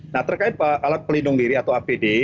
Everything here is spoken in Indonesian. nah terkait alat pelindung diri atau apd